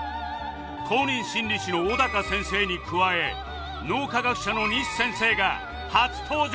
公認心理師の小高先生に加え脳科学者の西先生が初登場